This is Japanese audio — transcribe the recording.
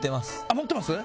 持ってます？